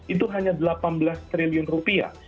itu hanya delapan belas triliun rupiah